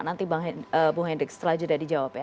nanti bu hendrik setelah jeda dijawab ya